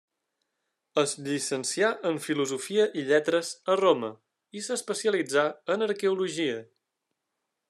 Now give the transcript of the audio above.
Es llicencià en filosofia i lletres a Roma, i s'especialitzà en arqueologia.